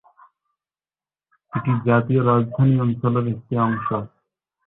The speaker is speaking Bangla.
এটি জাতীয় রাজধানী অঞ্চলের একটি অংশ।